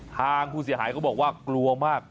ทางผู้เสียหายเขาบอกว่ากลัวมาก